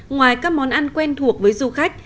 ngoài các món ăn quen thuộc với du khách